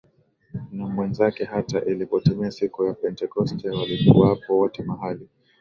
na wenzake Hata ilipotimia siku ya Pentekoste walikuwapo wote mahali